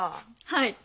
はい。